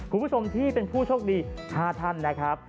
คุณผู้ชมที่เป็นผู้โชคดี๕ท่านนะครับ